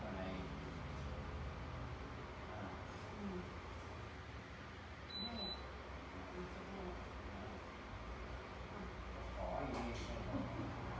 หวังว่าเอาให้เร็วไป